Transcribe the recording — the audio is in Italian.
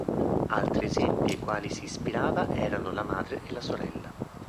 Altri esempi ai quali si ispirava erano la madre e la sorella.